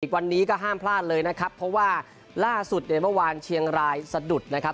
วันนี้ก็ห้ามพลาดเลยนะครับเพราะว่าล่าสุดเนี่ยเมื่อวานเชียงรายสะดุดนะครับ